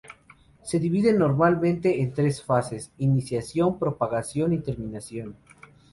Se dividen normalmente en tres fases: "iniciación", "propagación" y "terminación".